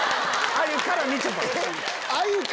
あゆからみちょぱ⁉